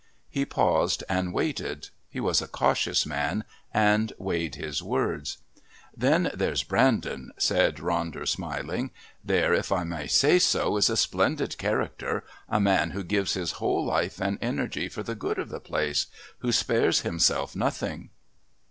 He paused and waited. He was a cautious man and weighed his words. "Then there's Brandon," said Ronder smiling. "There, if I may say so, is a splendid character, a man who gives his whole life and energy for the good of the place who spares himself nothing."